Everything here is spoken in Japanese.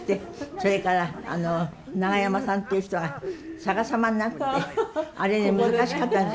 それからながやまさんという人が逆さまになってあれ難しかったんです。